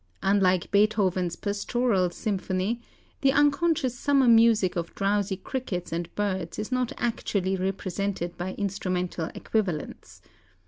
Unlike Beethoven's Pastoral Symphony, the unconscious summer music of drowsy crickets and birds is not actually represented by instrumental equivalents.